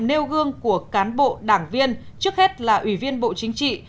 nêu gương của cán bộ đảng viên trước hết là ủy viên bộ chính trị